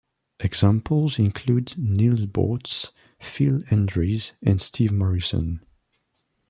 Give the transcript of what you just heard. Examples include Neal Boortz, Phil Hendrie and Steve Morrison.